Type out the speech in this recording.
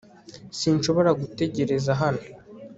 sinshobora gutegereza hano